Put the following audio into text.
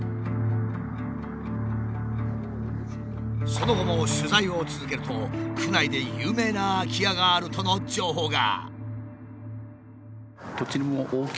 その後も取材を続けると区内で有名な空き家があるとの情報が。